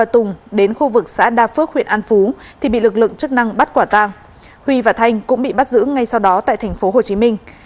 tôi đã có một lời hứa với bản thân mình